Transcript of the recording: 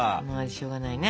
しょうがないね。